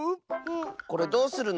これどうするの？